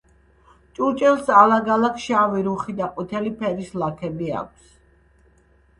ჭურჭელს ალაგ-ალაგ შავი, რუხი და ყვითელი ფერის ლაქები აქვს.